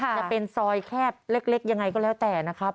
จะเป็นซอยแคบเล็กยังไงก็แล้วแต่นะครับ